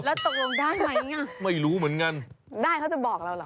แล้วตกลงได้ไหมอ่ะไม่รู้เหมือนกันได้เขาจะบอกเราเหรอ